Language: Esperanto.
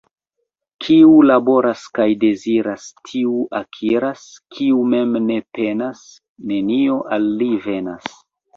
Kiu laboras kaj deziras, tiu akiras, — kiu mem ne penas, nenio al li venas.